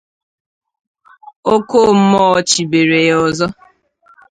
ọ kọọ mmụọ chibere ya ọzọ.